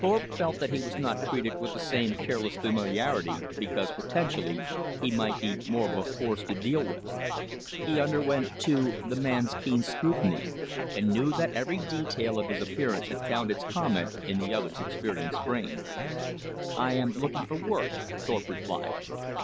Thorpe felt that he was not treated with the same careless familiarity, because, potentially, he might be more of a force to deal with. He underwent, too, the man's keen scrutiny, and knew that every detail of his appearance had found its comment in the other's experienced brain. "I am looking for work," Thorpe replied.